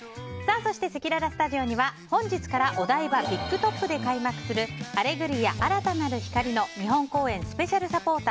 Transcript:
そして、せきららスタジオには本日からお台場ビッグトップで開幕する「アレグリア‐新たなる光‐」の日本公演スペシャルサポーター